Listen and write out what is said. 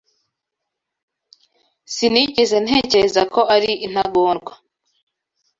Sinigeze ntekereza ko ari intagondwa.